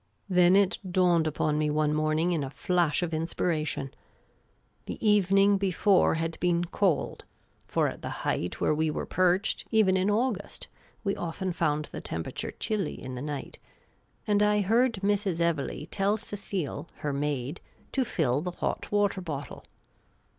Then it dawned upon me one morning in a flash of inspiration. The evening before had been cold, for at the height where we were perched, even in August, we often found the temperature chilly in the night, and I heard Mrs. Evelegh tell Cecile, her maid, to fill the hot water bottle.